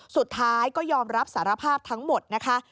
สุดท้ายก็ยอมรับสารภาพทั้งหมดนะคะ